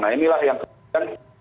nah inilah yang terjadi